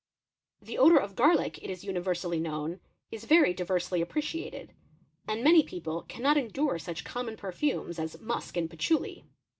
The odour of garlic, it is uni versally known, is very diversely appreciated; and many people canno endure such common perfumes as musk and patchouli.